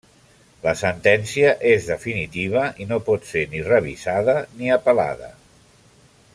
La sentència és definitiva i no pot ser ni revisada ni apel·lada.